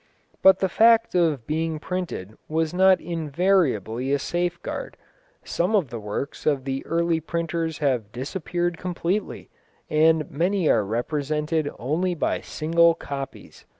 But the fact of being printed was not invariably a safeguard. Some of the works of the early printers have disappeared completely, and many are represented only by single copies.